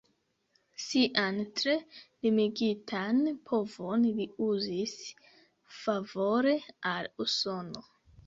Sian tre limigitan povon li uzis favore al Usono.